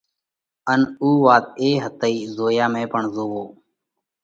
ان اُو وات اي هتئِي: “زويا ۾ پڻ زووَو۔”